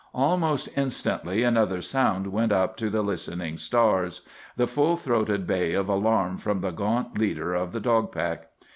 ] Almost instantly another sound went up to the listening stars; the full throated bay of alarm from the gaunt leader of the dog pack.